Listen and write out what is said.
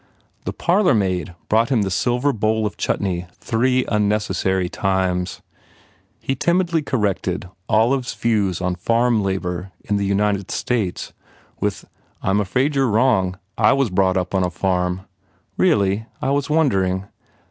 The parlour maid brought him the silver bowl of chutney three unnecessary times. He timidly corrected Olive s views on farm labour in the United States with, "I m afraid you re wrong. I was brought up on a farm." "Really? I was wondering."